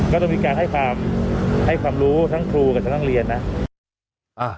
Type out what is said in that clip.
ก็ต้องมีการให้ความรู้ทั้งครูกับทั้งนักเรียนนะ